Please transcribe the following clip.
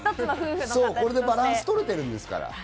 これでバランス取れてるんですから。